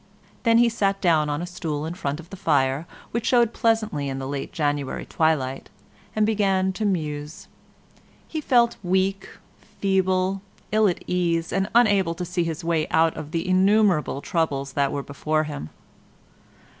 Then he sat down on a stool in front of the fire, which showed pleasantly in the late January twilight, and began to muse. He felt weak, feeble, ill at ease and unable to see his way out of the innumerable troubles that were before him.